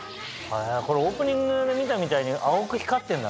これオープニングで見たみたいに青く光ってんだね。